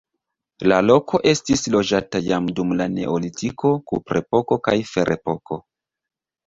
La loko estis loĝata jam dum la neolitiko, kuprepoko kaj ferepoko.